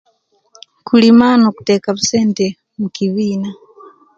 Kulima no kuteka sente busente mukibina